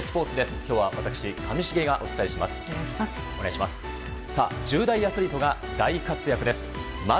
今日は私、上重がお伝えします。